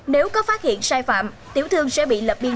nếu có phát hiện sai phạm tiểu thương sẽ bị lập biên bản